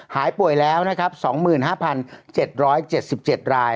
หายป่วยแล้วนะครับ๒๕๗๗ราย